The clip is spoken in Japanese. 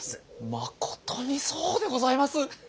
誠にそうでございます！